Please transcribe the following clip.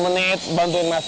sepuluh menit untuk memukul mas